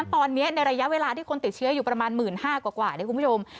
ตอนนี้ในระยะเวลาที่คนติดเชื้ออยู่ประมาณ๑๕๐๐กว่าเนี่ยคุณผู้ชม